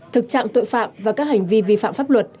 thực trạng tội phạm và các hành vi vi phạm pháp luật